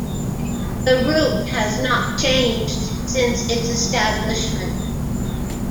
The route has not changed since its establishment.